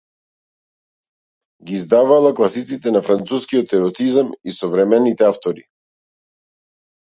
Ги издавала класиците на францускиот еротизам и современите автори.